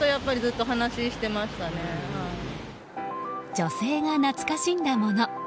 女性が懐かしんだもの